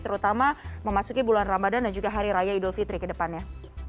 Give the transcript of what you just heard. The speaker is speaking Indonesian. terutama memasuki bulan ramadan dan juga hari raya idul fitri ke depannya